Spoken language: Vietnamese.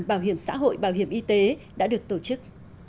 bảo hiểm xã hội bảo hiểm y tế đã được tổ chức